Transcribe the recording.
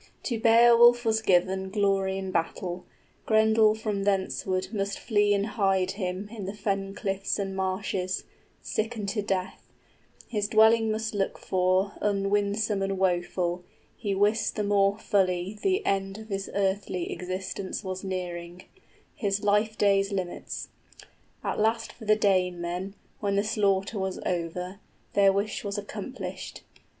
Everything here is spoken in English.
To Beowulf was given Glory in battle; Grendel from thenceward Must flee and hide him in the fen cliffs and marshes, Sick unto death, his dwelling must look for 30 Unwinsome and woful; he wist the more fully {The monster flees away to hide in the moors.} The end of his earthly existence was nearing, His life days' limits. At last for the Danemen, When the slaughter was over, their wish was accomplished.